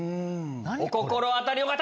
お心当たりの方！